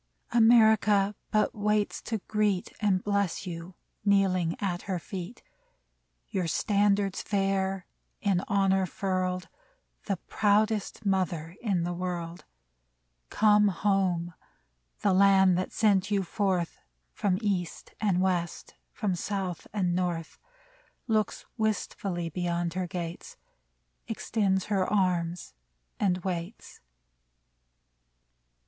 America but waits to greet And bless you, kneeling at her feet, Your standards fair, in honor furled, The proudest mother in the world ! Come home ! The Land that sent you forth From East and West, from South and North, Looks wistfully beyond her gates. Extends her arms and waits